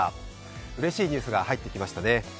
うれしいニュースが入ってきましたね。